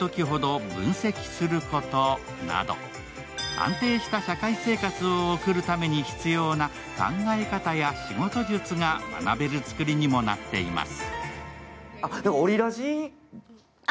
安定した社会生活を送るために必要な考え方や仕事術が学べる作りにもなってます。